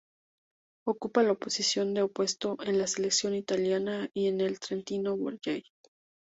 Ocupa la posición de opuesto en la selección italiana y en el Trentino Volley.